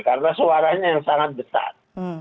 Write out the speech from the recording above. karena suaranya yang sangat besar